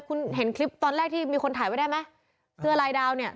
คุณเห็นคลิปตอนแรกที่มีคนถ่ายไว้ได้ไหมเสื้อลายดาวเนี่ย